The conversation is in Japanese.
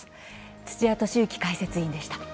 土屋敏之解説委員でした。